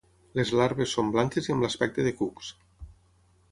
Les larves són blanques i amb l'aspecte de cucs.